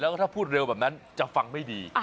แล้วก็ถ้าพูดเร็วแบบนั้นจะฟังไม่ดี